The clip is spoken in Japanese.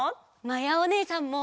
まやおねえさんも！